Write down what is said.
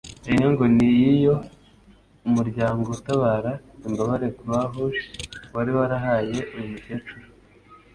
Iyi nka ngo ni iy’ iyo umuryango utabara imbabare Croix Rouge wari warahaye uyu mukecuru